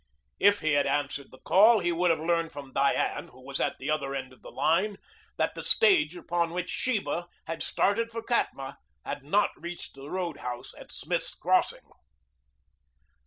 If he had answered the call he would have learned from Diane, who was at the other end of the line, that the stage upon which Sheba had started for Katma had not reached the roadhouse at Smith's Crossing.